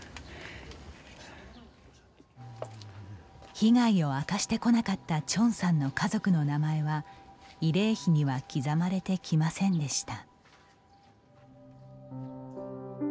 被害を明かしてこなかった鄭さんの家族の名前は慰霊碑には刻まれてきませんでした。